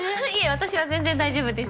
私は全然大丈夫です。